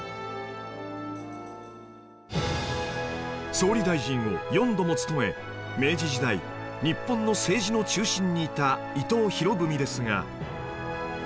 総理大臣を４度も務め明治時代日本の政治の中心にいた伊藤博文ですが